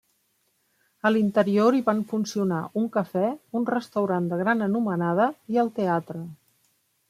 A l'interior hi van funcionar un cafè, un restaurant de gran anomenada i el teatre.